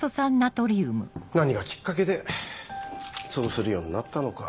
何がきっかけでそうするようになったのか。